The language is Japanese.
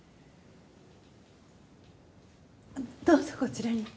どうぞこちらに。